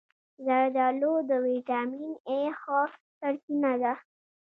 زردآلو د ویټامین A ښه سرچینه ده.